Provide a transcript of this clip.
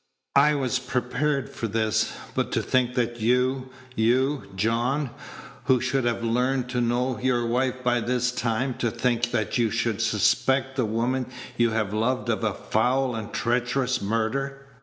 I was prepared for this; but to think that you you, John, who should have learned to know your wife by this time to think that you should suspect the woman you have loved of a foul and treacherous murder!"